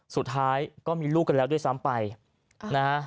สุดท้ายก็มีลูกกันแล้วด้วยซ้ำไปนะฮะ